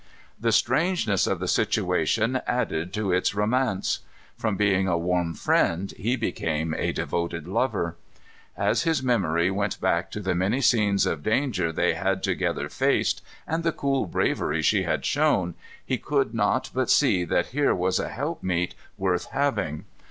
The strangeness of the situation added to its romance. From being a warm friend he became a devoted lover. As his memory went back to the many scenes of danger they had together faced, and the cool bravery she had shown, he could not but see that here was a helpmeet worth having.